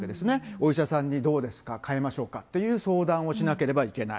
お医者さんにどうですか、変えましょうかという相談をしなければいけない。